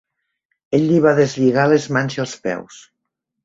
Ell li va deslligar les mans i els peus.